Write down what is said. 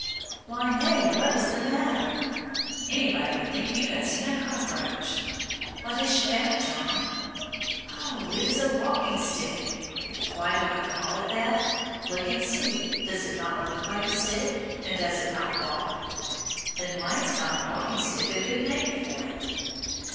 Why, May, what is the matter? Anybody would think you had seen a cockroach. What has she found, John? Oh, it is a walking stick! Why do I call it that? Look and see. Does it not look like a stick? And does it not walk? Then why is not walking stick a good name for it?